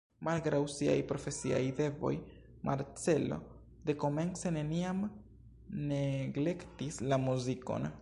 Malgraŭ siaj profesiaj devoj Marcello dekomence neniam neglektis la muzikon.